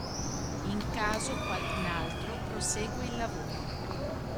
In caso qualcun altro prosegue il lavoro.